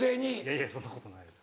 いやそんなことないです。